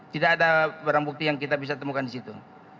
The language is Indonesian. tidak ada barang bukti yang kita bisa temukan di situ